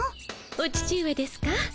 お父上ですか？